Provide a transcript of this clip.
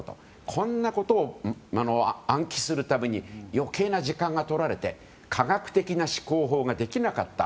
こんなことを暗記するために余計な時間がとられて科学的な思考法ができなかった。